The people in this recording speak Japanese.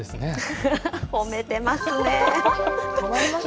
褒めてますね。